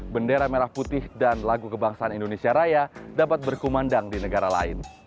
bendera merah putih dan lagu kebangsaan indonesia raya dapat berkumandang di negara lain